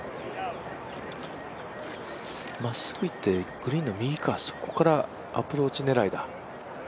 まっすぐいって、グリーンの右か、そこからアプローチ狙いだ。